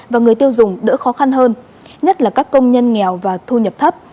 và người tiêu dùng đỡ khó khăn hơn nhất là các công nhân nghèo và thu nhập thấp